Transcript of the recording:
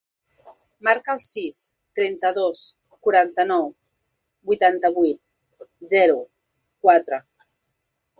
Marca el sis, trenta-dos, quaranta-nou, vuitanta-vuit, zero, quatre.